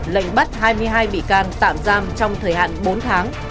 lệnh bắt hai mươi hai bị can tạm giam trong thời hạn bốn tháng